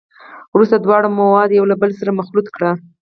وروسته دواړه مواد یو له بل سره مخلوط کړئ.